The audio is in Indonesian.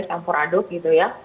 campur aduk gitu ya